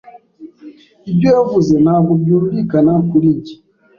Ibyo yavuze ntabwo byumvikana kuri njye.